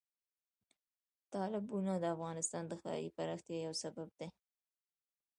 تالابونه د افغانستان د ښاري پراختیا یو سبب دی.